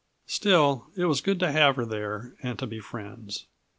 Still, it was good to have her there and to be friends.